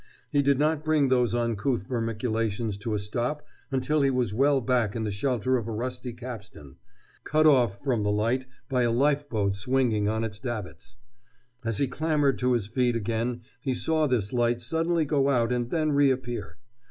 He did not bring those uncouth vermiculations to a stop until he was well back in the shelter of a rusty capstan, cut off from the light by a lifeboat swinging on its davits. As he clambered to his feet again he saw this light suddenly go out and then reappear.